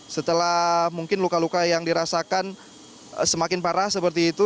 setelah mungkin luka luka yang dirasakan semakin parah seperti itu